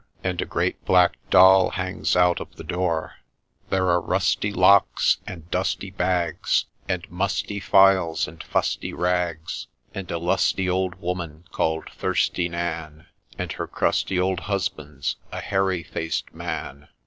And a great black doll hangs out of the door ; LEGEND OF HAMILTON TIGHE 05 There are rusty locks, and dusty bags, And musty phials, and fusty rags, And a lusty old woman, call'd Thirsty Nan, And her crusty old husband "s a Hairy faced man